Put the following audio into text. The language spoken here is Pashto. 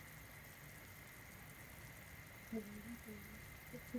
چې تر اوسه پورې د مافيايي کړيو کنټرول واک ورسره دی.